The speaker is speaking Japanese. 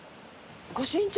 御朱印帳。